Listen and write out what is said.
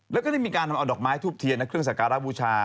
แล้วก็ได้มีการนำเอาดอกไม้ทูบเทียนและเครื่องสักการะบูชา